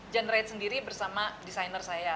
generate sendiri bersama desainer saya